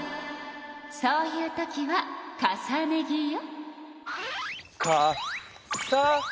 そういうときは重ね着よ。